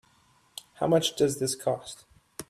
How much does this cost?